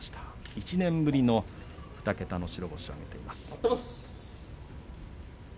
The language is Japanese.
１年ぶりの２桁の白星を挙げています。